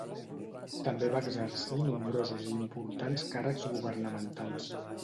També va exercir nombrosos i importants càrrecs governamentals.